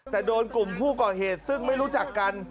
แต่โดนกลุ่มผู้ก่อเหตุซึ่งไม่รู้จักกัน